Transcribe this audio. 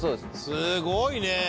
すごいね。